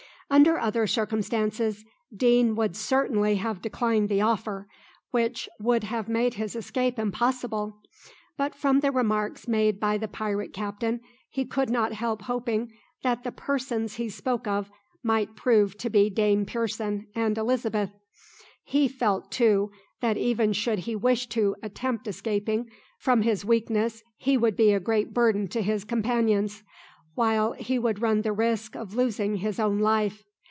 Under other circumstances, Deane would certainly have declined the offer, which would have made his escape impossible; but from the remarks made by the pirate captain, he could not help hoping that the persons he spoke of might prove to be Dame Pearson and Elizabeth. He felt, too, that even should he wish to attempt escaping, from his weakness he would be a great burden to his companions, while he would run the risk of losing his own life.